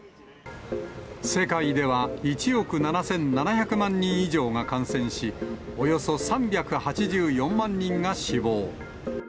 世界では１億７７００万人以上が感染し、およそ３８４万人が死亡。